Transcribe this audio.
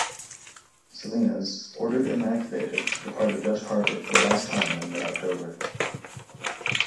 "Salinas", ordered inactivated, departed Dutch Harbor for the last time in mid-October.